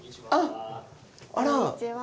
こんにちは！